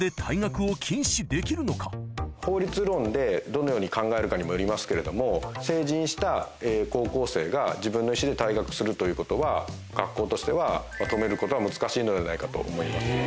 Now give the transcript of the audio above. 実際に法律論でどのように考えるかにもよりますけれども成人した高校生が自分の意思で退学するということは学校としては止めることは難しいのではないかと思います。